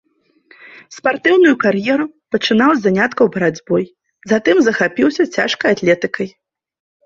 Спартыўную кар'еру пачынаў з заняткаў барацьбой, затым захапіўся цяжкай атлетыкай.